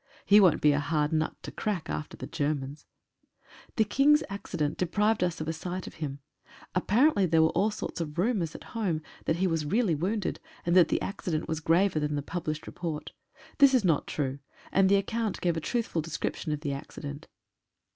He won't be a hard nut to crack after the Germans. The King's accident deprived us of a sight of him. Apparently there were all sorts of rumours at home, that he was really wounded, and that the accident was graver than the published report. This is not true, and the account gave a truthful description of the accident.